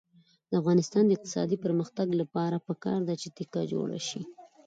د افغانستان د اقتصادي پرمختګ لپاره پکار ده چې تکه جوړه شي.